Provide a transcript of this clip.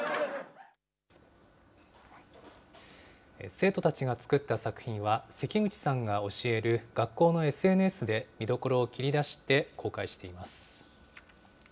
生徒たちが作った作品は、関口さんが教える学校のＳＮＳで見どころを切り出して、公開しています。